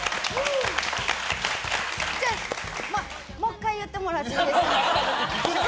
じゃあ、もう１回言ってもらっていいですか？